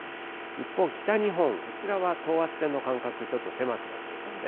一方、北日本、こちらは等圧線の間隔、ちょっと狭くなっていますね。